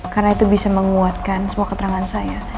karena itu bisa menguatkan semua keterangan saya